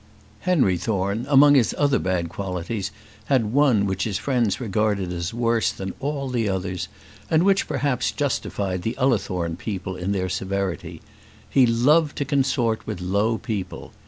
Henry Thorne among his other bad qualities had one which his friends regarded as worse than all the others, and which perhaps justified the Ullathorne people in their severity. He loved to consort with low people.